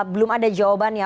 belum ada jawabannya